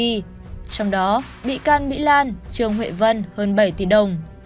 trong đó bị can mỹ lan trương huệ vân hơn bảy tỷ đồng